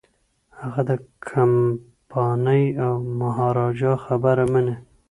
هغه د کمپانۍ او مهاراجا خبره مني.